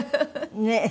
ねえ。